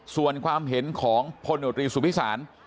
ส่วนความเห็นของพลโนตรีสุพิสาร